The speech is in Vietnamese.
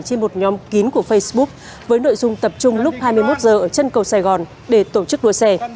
trên một nhóm kín của facebook với nội dung tập trung lúc hai mươi một h ở chân cầu sài gòn để tổ chức đua xe